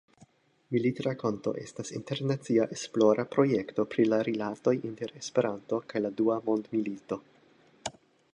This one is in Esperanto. Militrakonto estas internacia esplora projekto pri la rilatoj inter Esperanto kaj la Dua Mondmilito.